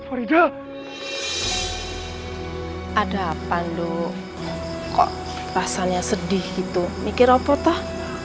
ada apa lu kok rasanya sedih gitu mikir apa tuh